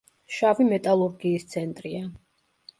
შავი მეტალურგიის ცენტრია.